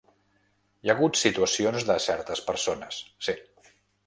Hi ha hagut situacions de certes persones, sí.